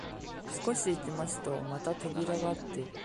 少し行きますとまた扉があって、